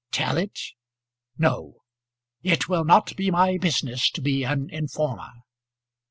"Tell it; no. It will not be my business to be an informer."